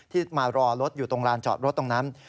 ที่มารอรถอยู่ตรงลานจอดรถตรงนั้น